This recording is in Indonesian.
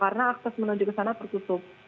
karena akses menuju ke sana tertutup